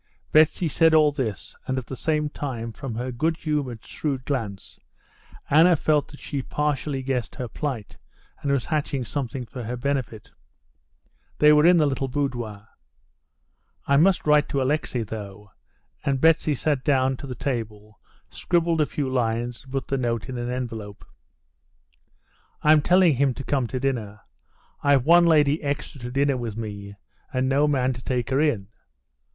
Betsy said all this, and, at the same time, from her good humored, shrewd glance, Anna felt that she partly guessed her plight, and was hatching something for her benefit. They were in the little boudoir. "I must write to Alexey though," and Betsy sat down to the table, scribbled a few lines, and put the note in an envelope. "I'm telling him to come to dinner. I've one lady extra to dinner with me, and no man to take her in.